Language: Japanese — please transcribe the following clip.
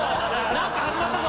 何か始まったぞ！